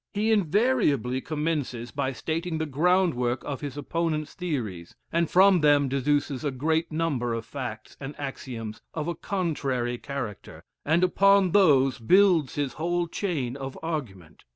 He invariably commences by stating the groundwork of his opponent's theories, and from them deduces a great number of facts and axioms of a contrary character, and upon those builds his whole chain of argument.